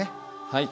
はい。